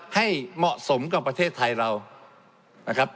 ให้เหมาะสมกับประเทศไทยเรานะครับ